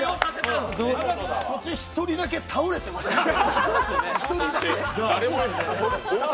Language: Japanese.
途中、１人だけ倒れてましたから。